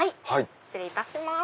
失礼いたします。